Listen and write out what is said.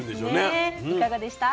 いかがでしたか？